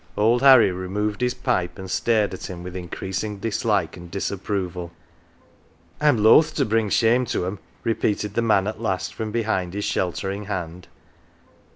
Old Harry removed his pipe, and stared at him with increas ing dislike and disapproval. " I'm loth to bring shame to 'em," repeated the man at last from behind his sheltering hand.